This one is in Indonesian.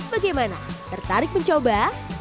bagaimana tertarik mencoba